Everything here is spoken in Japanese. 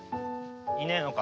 いねえのか？